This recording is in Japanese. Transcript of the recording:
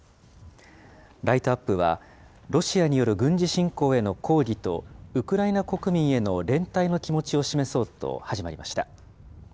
ライトアップは、ロシアによる軍事侵攻への抗議と、ウクライナ国民への連帯の気持ちを示そうと始まりました。